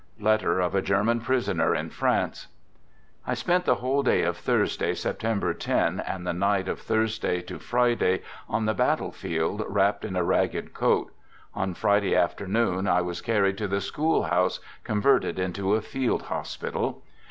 (Letter of a German Prisoner in France) ... I spent the whole day of Thursday, Septem ber 10, and the night of Thursday to Friday, on the battlefield, wrapped in a ragged coat ; on Friday aft ernoon, I was carried to the schoolhouse, converted into a field hospital.